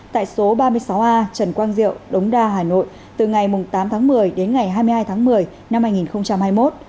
tại số ba mươi sáu a trần quang diệu đống đa hà nội từ ngày tám tháng một mươi đến ngày hai mươi hai tháng một mươi năm hai nghìn hai mươi một